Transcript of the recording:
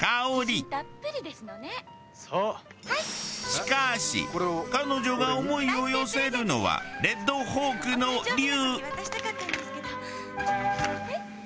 しかし彼女が思いを寄せるのはレッドホークの竜。